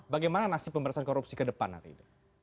bagaimana nasib pemberantasan korupsi kedepan hari ini